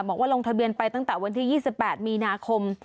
ลงทะเบียนไปตั้งแต่วันที่๒๘มีนาคม